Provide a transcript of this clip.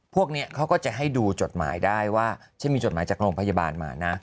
พวกนี้เขาก็จะให้ดูจดหมายได้ว่าฉันมีจดหมายจากโรงพยาบาลมานะ